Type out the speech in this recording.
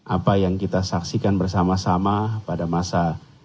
apa yang kita saksikan bersama sama pada masa